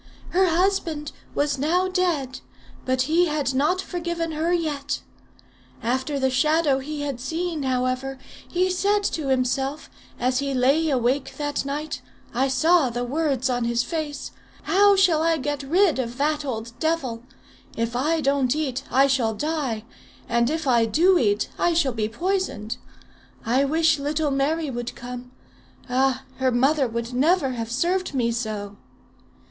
Her husband was now dead, but he had not forgiven her yet. After the shadow he had seen, however, he said to himself, as he lay awake that night I saw the words on his face 'How shall I get rid of that old devil? If I don't eat I shall die; and if I do eat I shall be poisoned. I wish little Mary would come. Ah! her mother would never have served me so.'